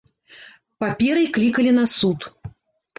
Паперай клікалі на суд.